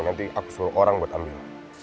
nanti aku seluruh orang buat ambil